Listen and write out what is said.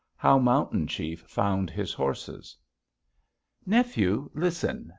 HOW MOUNTAIN CHIEF FOUND HIS HORSES "Nephew, listen!